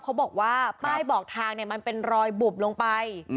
เขาบอกว่าป้ายบอกทางเนี่ยมันเป็นรอยบุบลงไป